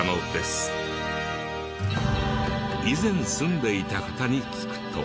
以前住んでいた方に聞くと。